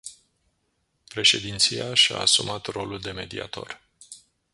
Președinția și-a asumat rolul de mediator.